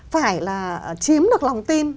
phải là chiếm được lòng tin